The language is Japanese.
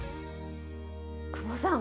久保さん